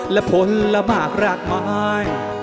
และผลละมากรากไม้